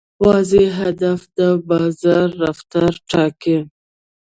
واضح هدف د بازار رفتار ټاکي.